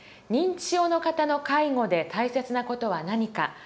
認知症の方の介護で大切な事は何か。